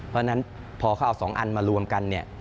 เพราะฉะนั้นพอเขาเอา๒อันมารวมกันเนี่ย